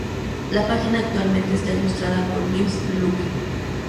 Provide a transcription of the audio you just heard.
La página actualmente está ilustrada por Vince Locke.